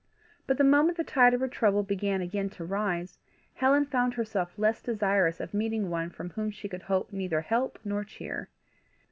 But the moment the tide of her trouble began again to rise, Helen found herself less desirous of meeting one from whom she could hope neither help nor cheer.